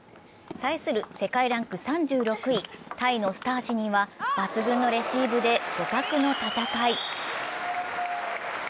対する世界ランク３６位、タイのスターシニーは抜群のレシーブで互角の戦い。